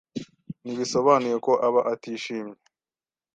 ntibisobanuye ko aba atishimye